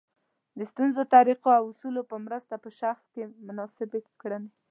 د ښونیزو طریقو او اصولو په مرسته په شخص کې مناسبې کړنې